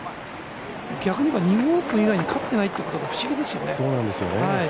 日本オープン以外に勝ってないっていうのが不思議ですよね。